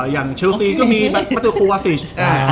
อย่างเชลซีก็มีแบตเตอร์โครวาซิช